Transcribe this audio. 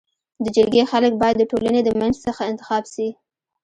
د جرګي خلک بايد د ټولني د منځ څخه انتخاب سي.